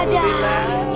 ya allah ibu